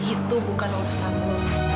itu bukan urusanmu